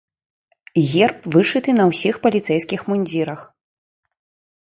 Герб вышыты на ўсіх паліцэйскіх мундзірах.